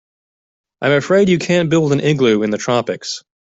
I'm afraid you can't build an igloo in the tropics.